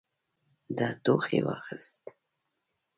ده ټوخي واخيست.